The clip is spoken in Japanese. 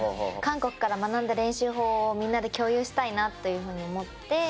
韓国から学んだ練習法をみんなで共有したいなというふうに思って。